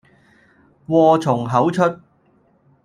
禍從口出